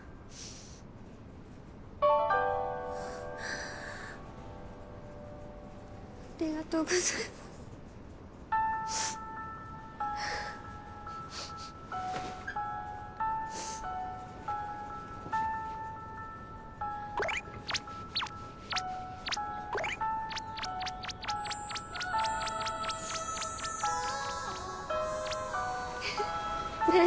ありがとうございますえ？